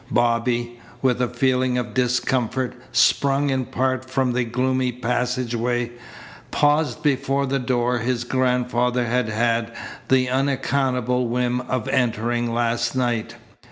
Bobby, with a feeling of discomfort, sprung in part from the gloomy passageway, paused before the door his grandfather had had the unaccountable whim of entering last night.